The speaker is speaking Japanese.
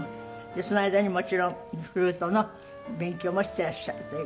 その間にもちろんフルートの勉強もしていらっしゃるという事で。